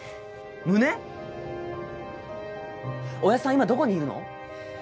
今どこにいるの？